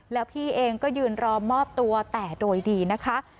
แล้วพี่เองก็ยืนรอมอบตัวแต่โดยดีนะคะ